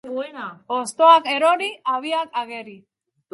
Hostoak erori, habiak ageri.